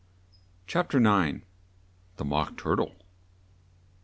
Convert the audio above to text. CHAPTER IX. THE MOCK TUR TLE.